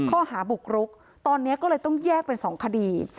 ข้อหาบุกรุกตอนนี้ก็เลยต้องแยกเป็น๒คดี